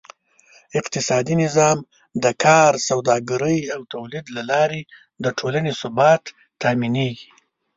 اقتصادي نظام: د کار، سوداګرۍ او تولید له لارې د ټولنې ثبات تأمینېږي.